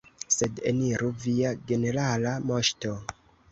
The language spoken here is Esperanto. Sed, eniru, Via Generala Moŝto!